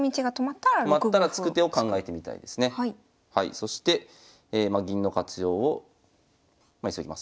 そして銀の活用を急ぎます。